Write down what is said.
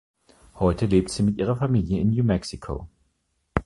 Heute lebt sie mit ihrer Familie in New Mexico.